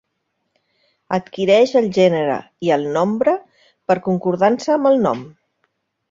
Adquireix el gènere i el nombre per concordança amb el nom.